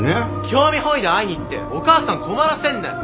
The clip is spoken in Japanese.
興味本位で会いに行ってお母さん困らせんなよ。